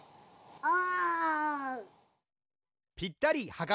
お！